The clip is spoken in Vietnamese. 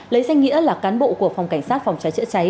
lấy danh nghĩa là cán bộ của phòng cảnh sát phòng cháy chữa cháy